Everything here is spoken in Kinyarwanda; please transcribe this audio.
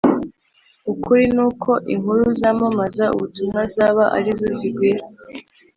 Ukuri n’uko inkuru zamamaza ubutumwa zaba arizo zigwira